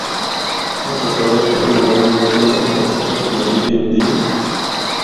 اُتھا سڑک تنگ ہونڑے دی وجہ نال کھچاکھچ بھری دی ہوندی ہے۔